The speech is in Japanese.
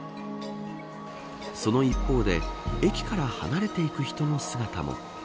その一方で駅から離れていく人の姿も。